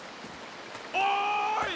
おい！